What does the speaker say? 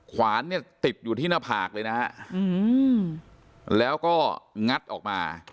ขวานติดอยู่ที่หน้าผากเลยนะครับแล้วก็งัดออกมา